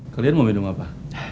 kalian mau minum apa